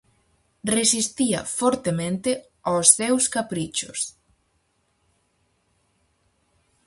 Resistía fortemente aos seus caprichos.